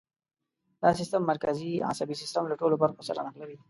دا سیستم مرکزي عصبي سیستم له ټولو برخو سره نښلوي.